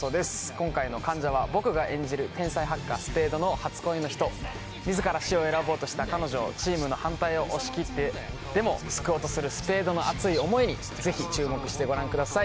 今回の患者は僕が演じる天才ハッカースペードの初恋の人自ら死を選ぼうとした彼女をチームの反対を押し切ってでも救おうとするスペードの熱い思いにぜひ注目してご覧ください